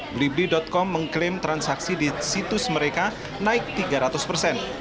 blibli com mengklaim transaksi di situs mereka naik tiga ratus persen